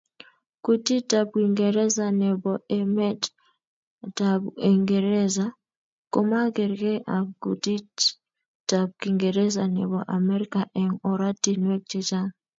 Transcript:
Kutitab uingereza nebo emetab uingereza komagergei ako kutitab kiingereza nebo america eng oratinweek chechang.